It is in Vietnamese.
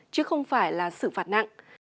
chứ không phải là sự phạt nặng